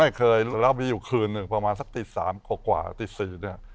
ไม่เคยแล้วมีอยู่คืนหนึ่งประมาณสักตี๓กว่าตี๔เนี่ย